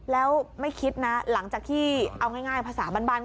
แล้วไม่คิดนะหลังจากที่เอาง่ายภาษาบ้าน